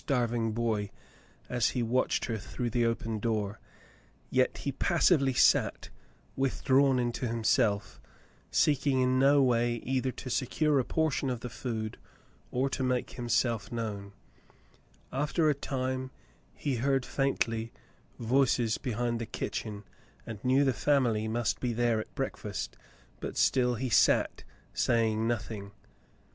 Frale goes to Farington 71 star\dng boy, as he watched her through the open door, yet he passively sat, withdrawn into himself, seeking in no way either to secure a portion of the food or to make himself knowTi. After a time, he heard faintly voices beyond the kitchen, and knew the family must be there at breakfast, but still he sat, saying nothing.